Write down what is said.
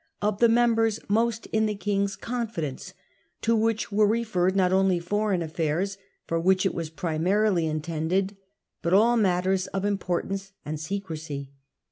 of the members most in the King's confidence, to which were referred not only foreign affairs, for which it was pri marily intended, but all matters of importance and secrecy.